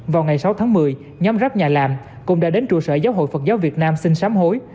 vào ngày sáu tháng một mươi nhóm rắp nhà làm cũng đã đến trụ sở giáo hội phật giáo việt nam xin sám hối